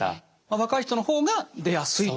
若い人の方が出やすいと。